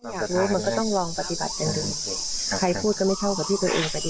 อยากรู้มันก็ต้องลองปฏิบัติกันดูใครพูดก็ไม่เท่ากับที่ตัวเองปฏิ